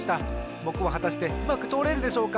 ぼくははたしてうまくとおれるでしょうか。